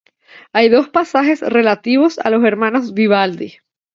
Hay dos pasajes relativos a los hermanos Vivaldi.